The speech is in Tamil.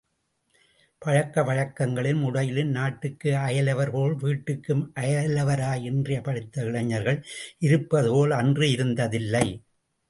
பழக்க வழக்கங்களிலும் உடையிலும் நாட்டுக்கு அயலார்போல் வீட்டுக்கும் அயலாராய் இன்றைய படித்த இளைஞர்கள் இருப்பதுபோல் அன்று இருந்ததில்லை.